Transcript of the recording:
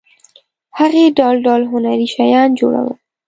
هغې ډول ډول هنري شیان جوړول.